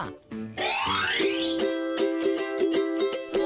ว้าว